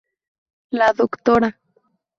La Dra.